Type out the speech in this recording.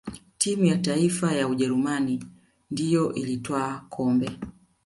timu ya taifa ya ujerumani ndiyo iliyotwaa kombe